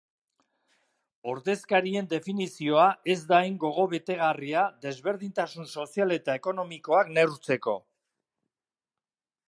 Ordezkarien definizioa ez da hain gogobetegarria desberdintasun sozial eta ekonomikoak neurtzeko.